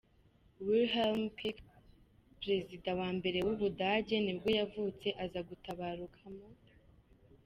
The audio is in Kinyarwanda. Wilhelm Pieck, perezida wa mbere w’ubudage nibwo yavutse aza gutabaruka mu .